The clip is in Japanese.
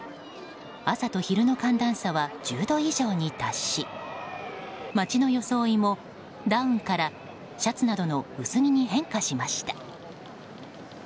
朝と昼の寒暖差は１０度以上に達し街の装いも、ダウンからシャツなどの薄着に変化しました。